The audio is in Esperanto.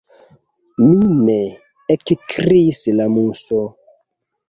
“Mi ne!” ekkriis la Muso.